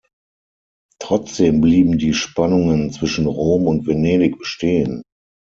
Trotzdem blieben die Spannungen zwischen Rom und Venedig bestehen.